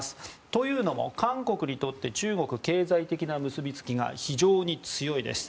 というのも、韓国にとって中国は経済的な結びつきが非常に強いです。